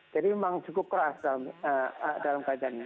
jadi memang cukup keras dalam keadaannya